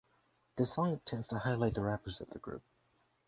The song intends to highlight the rappers of the group.